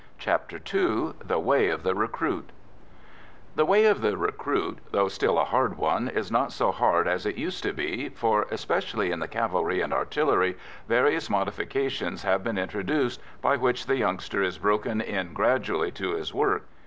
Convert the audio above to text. CHAPTER II THE WAY OF THE RECRUIT The way of the recruit, though still a hard one, is not so hard as it used to be, for, especially in the cavalry and artillery, various modifications have been introduced by which the youngster is broken in gradually to his work.